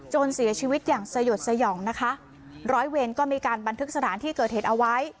เสียชีวิตอย่างสยดสยองนะคะร้อยเวรก็มีการบันทึกสถานที่เกิดเหตุเอาไว้